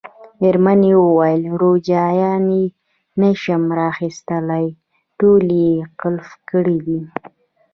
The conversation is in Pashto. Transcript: مېرمنې وویل: روجایانې نه شم را اخیستلای، ټولې یې قلف کړي دي.